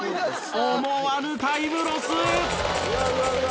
思わぬタイムロス！